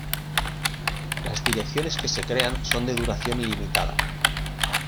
las direcciones que se crean son de duración ilimitada